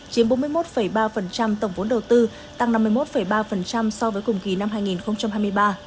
chiếm bốn mươi một ba tổng vốn đầu tư tăng năm mươi một ba so với cùng kỳ năm hai nghìn hai mươi ba